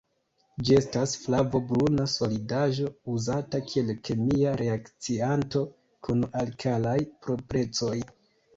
Ĝi estas flavo-bruna solidaĵo uzata kiel kemia reakcianto kun alkalaj proprecoj.